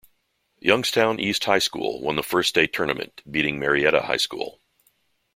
Youngstown East High School won the first state tournament, beating Marietta High School.